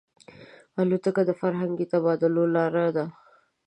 الوتکه د فرهنګي تبادلو لاره ده.